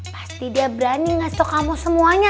pasti dia berani ngasih tau kamu semuanya